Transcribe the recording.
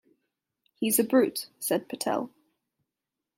"He's a brute," said Patel.